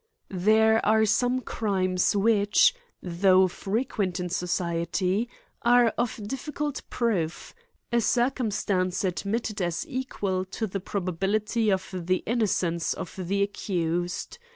There are some crimes which, though frequent m society, ^re of difficult prpof, a circumstance admitted as equal to the > probability of the inno cence of the accused.